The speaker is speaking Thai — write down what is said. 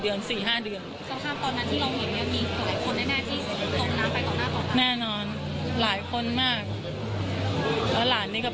พูดสิทธิ์ข่าวธรรมดาทีวีรายงานสดจากโรงพยาบาลพระนครศรีอยุธยาครับ